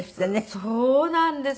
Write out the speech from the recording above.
そうなんです。